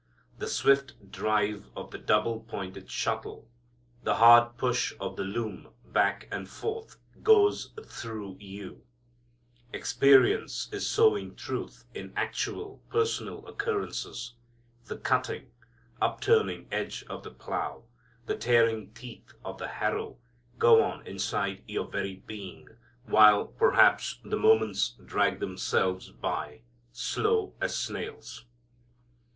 The swift drive of the double pointed shuttle, the hard push of the loom back and forth goes through you. Experience is sowing truth in actual personal occurrences. The cutting, upturning edge of the plow, the tearing teeth of the harrow, go on inside your very being, while perhaps the moments drag themselves by, slow as snails.